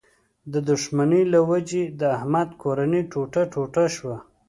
د دوښمنۍ له و جې د احمد کورنۍ ټوټه ټوټه شوله.